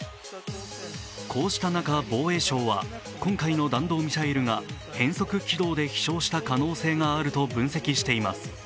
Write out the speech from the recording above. こうした中、防衛省は今回の弾道ミサイルが変則軌道で飛翔した可能性があると分析しています。